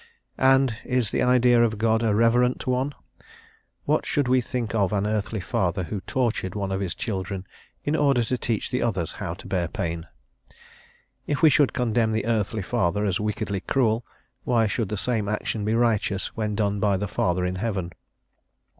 And is the idea of God a reverent one? What should we think of an earthly father who tortured one of his children in order to teach the others how to bear pain? if we should condemn the earthly father as wickedly cruel, why should the same action be righteous when done by the Father in heaven?